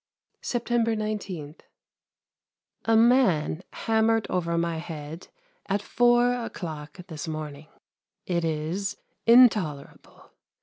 September 19. A man hammered over my head at four o'clock this morning. It is intolerable.